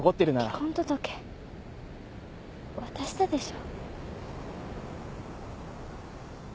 離婚届渡したでしょ。